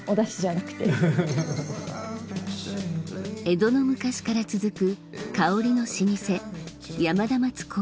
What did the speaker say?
江戸の昔から続く香りの老舗